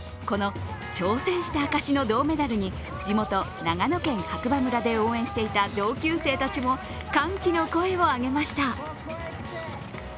この挑戦した証しの銅メダルに地元・長野県白馬村で応援していた同級生たちも歓喜の声を上げました。